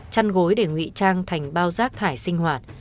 chăn gối để ngụy trang thành bao rác thải sinh hoạt